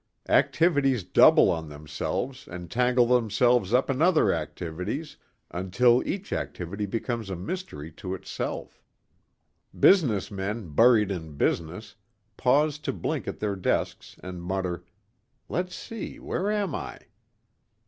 Activities double on themselves and tangle themselves up in other activities until each activity becomes a mystery to itself. Business men buried in business pause to blink at their desks and mutter, "Let's see, where am I?"